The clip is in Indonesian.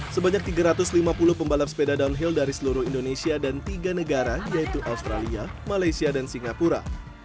sebanyak tiga ratus lima puluh pembalap sepeda downhill dari seluruh indonesia dan tiga negara yaitu australia malaysia dan singapura